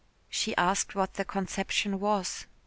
She asked what the conception was.